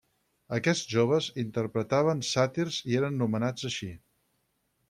Aquests joves interpretaven sàtirs i eren nomenats així.